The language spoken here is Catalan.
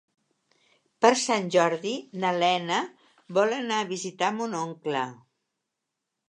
Per Sant Jordi na Lena vol anar a visitar mon oncle.